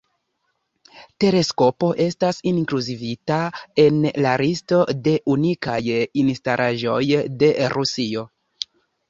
Teleskopo estas inkluzivita en la listo de unikaj instalaĵoj de Rusio.